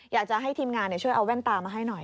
อยากจะให้ทีมงานช่วยเอาแว่นตามาให้หน่อย